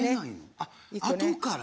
あとから。